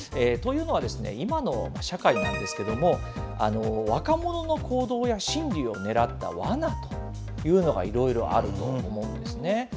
というのは、今の社会なんですけれども、若者の行動や心理をねらったワナというのが、いろいろあると思うんですね。